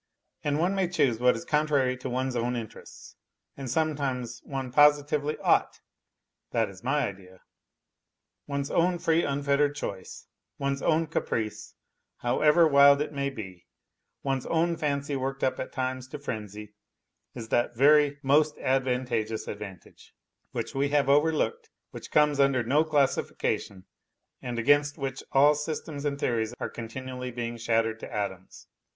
And one may choose what is contrary to one's own interests, and sometimes one positively ought (that is my idea). One's own free unfettered choice, one's own caprice, however wild it may be, one's own fancy worked up at times to frenzy is that very " most advantageous advantage " which we have overlooked, which comes under no classification and against which all systems and theories are continually being shattered to atoms.